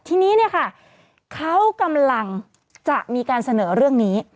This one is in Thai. ทีนี้เนี่ยค่ะเขากำลังจะมีการเสนอเรื่องนี้